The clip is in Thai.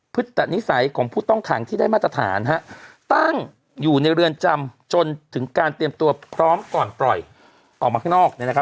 ตนิสัยของผู้ต้องขังที่ได้มาตรฐานตั้งอยู่ในเรือนจำจนถึงการเตรียมตัวพร้อมก่อนปล่อยออกมาข้างนอก